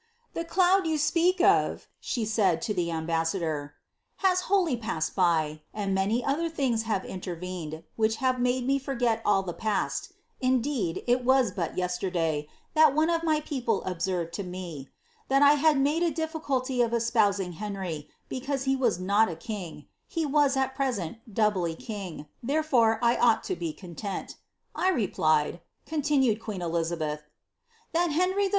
^ The cloud you speak of,'' she aid, to the ambassador, ^ has wholly passed by, and many other tilings hare intervened, which have made me forget all the past ; indeed, it was bat yesterday, that one of my people observed to me, ^ that I had made a diAiculty of espousing Henry, because he was not a king ; he was at pment doubly king,' therefore I ought to be content.' I replied,^' con Uooed queen Elizabeth, ^ that Henry III.